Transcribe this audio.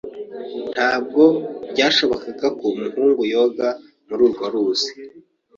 Ntabwo byashobokaga ko umuhungu yoga muri urwo ruzi.